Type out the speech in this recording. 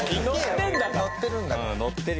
乗ってるんだから。